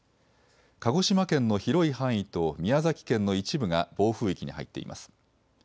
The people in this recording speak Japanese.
鹿児島県の広い範囲と宮崎県の一部が暴風域に入っています。